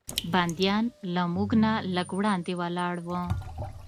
بندیان له موږ نه لږ وړاندې ولاړ و.